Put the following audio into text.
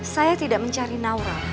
saya tidak mencari naura